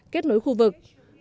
kết nối khu vực